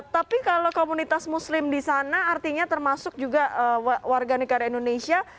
tapi kalau komunitas muslim di sana artinya termasuk juga warga negara indonesia